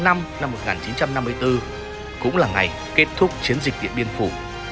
năm một nghìn chín trăm năm mươi bốn cũng là ngày kết thúc chiến dịch điện biên phủ